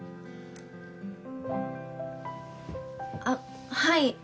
あっはい。